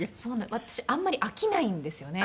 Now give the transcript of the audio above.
私あんまり飽きないんですよね。